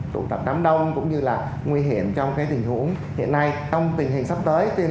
tụ tập đám đông cũng như là nguy hiểm trong tình huống hiện nay trong tình hình sắp tới